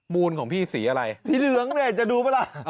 มูลของพี่สีอะไรสีเหลืองเนี่ยจะดูปะล่ะ